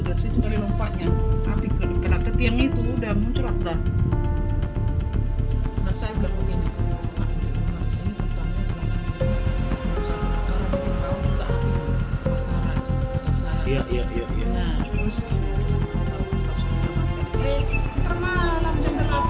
dari situ kali lompatnya tapi kalau ketiang itu udah muncul akran